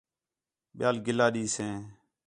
ٻِیال گِلہ ݙینیس